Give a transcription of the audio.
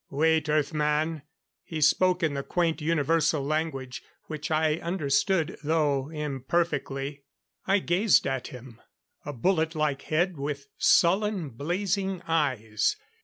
"Wait, Earth man." He spoke in the quaint universal language, which I understood, though imperfectly. I gazed at him. A bullet like head, with sullen, blazing eyes.